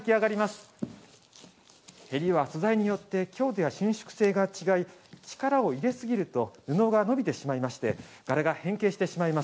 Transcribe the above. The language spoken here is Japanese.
縁は素材によって強度や伸縮性が違い力を入れ過ぎると布が伸びてしまいまして柄が変形してしまいます。